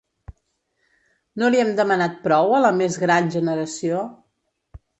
No li hem demanat prou, a la més gran generació?